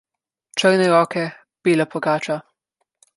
Črne roke, bela pogača.